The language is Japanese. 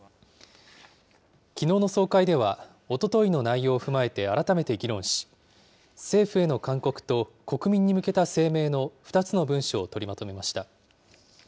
きのうの総会では、おとといの内容を踏まえて改めて議論し、政府への勧告と国民に向けた声明の２つの文書を取りまとめました。